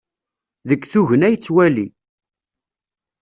Deg tugna yettwali.